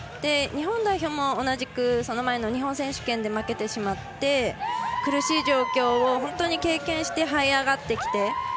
日本代表も同じくその前の日本選手権で負けてしまって苦しい状況を本当に経験してはい上がってきて。